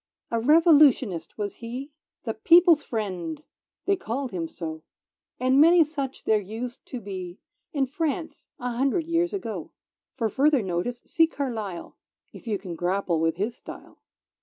A Revolutionist was he; The People's Friend, they called him so, And many such there used to be In France, a hundred years ago. (For further notice see Carlyle, If you can grapple with his style.)